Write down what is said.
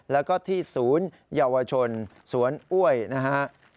แล้วก็ที่ศูนย์เยาวชนสวนอ้วยนะฮะ